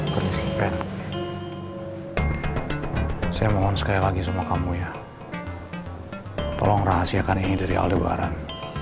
penyimpannya saya mohon sekali lagi sama kamu ya tolong rahasiakan ini dari aldebaran